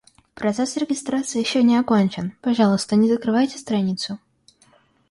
Процесс регистрации ещё не окончен. Пожалуйста, не закрывайте страницу.